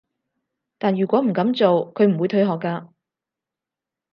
但如果唔噉做，佢唔會退學㗎